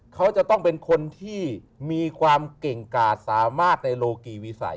เขาจะต้องเป็นคนที่มีความเก่งกาดสามารถในโลกีวิสัย